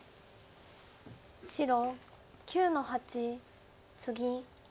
白９の八ツギ。